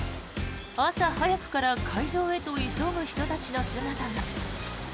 朝早くから会場へと急ぐ人たちの姿が。